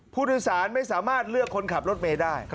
ผู้โดยสารไม่สามารถเลือกคนขับรถเมย์ได้